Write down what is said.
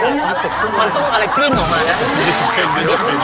มันต้องอะไรขึ้นออกมาแล้ว